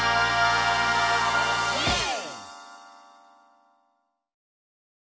イエーイ！